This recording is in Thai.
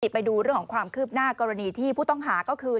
ไปดูเรื่องของความคืบหน้ากรณีที่ผู้ต้องหาก็คือ